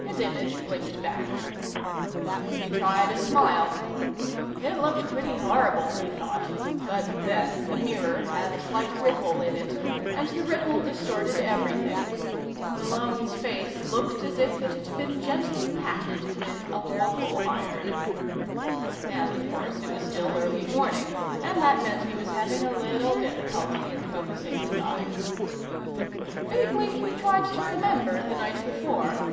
His image blinked back. He tried a smile. It looked pretty horrible, he thought but, then, the mirror had a slight ripple in it, and the ripple distorted everything. Malone's face looked as if it had been gently patted with a waffle iron. And, of course, it was still early morning, and that meant he was having a little difficulty in focusing his eyes. Vaguely, he tried to remember the night before.